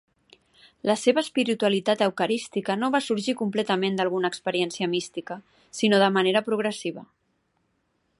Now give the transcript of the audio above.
La seva espiritualitat eucarística no va sorgir completament d'alguna experiència mística, sinó de manera progressiva.